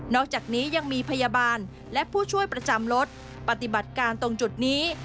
อกจากนี้ยังมีพยาบาลและผู้ช่วยประจำรถปฏิบัติการตรงจุดนี้